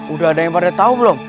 udah ada yang pada tahu belum